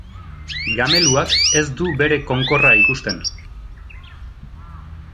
Gameluak ez du bere konkorra ikusten